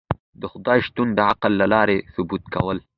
د خدای شتون د عقل له لاری ثبوت کول